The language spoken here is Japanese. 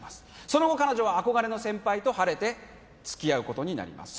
その後彼女は憧れの先輩と晴れて付き合うことになります